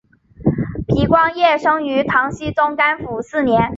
皮光业生于唐僖宗干符四年。